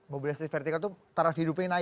mobilisasi vertikal itu taraf hidupnya naik